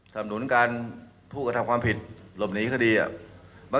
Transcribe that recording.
สำนุนการผู้กระทำความผิดหลบหนีคดีอ่ะ